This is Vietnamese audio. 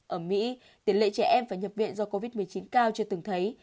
ở mỹ tỷ lệ trẻ em phải nhập viện do covid một mươi chín cao chưa từng thấy